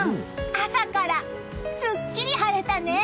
朝からすっきり晴れたね！